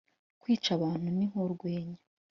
Kwica abantu ni nkurwenya